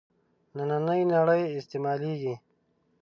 نننۍ نړۍ استعمالېږي.